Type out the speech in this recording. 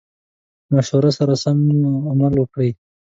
مشورو سره سم عمل وکړي.